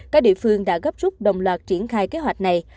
các địa phương đã gấp rút đồng loạt triển khai kế hoạch này